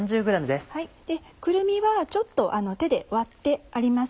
くるみはちょっと手で割ってあります。